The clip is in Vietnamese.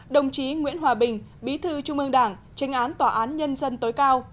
đồng chí nguyễn hòa bình bí thư trung ương đảng tranh án tòa án nhân dân tối cao